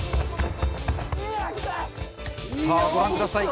さぁご覧ください